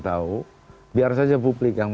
tahu biar saja publik yang